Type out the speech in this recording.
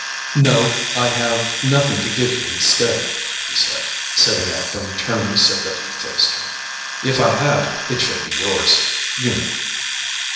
"No, I have nothing to give you instead," he said, sitting up and turning so that he faced her. "If I had, it should be yours, you know."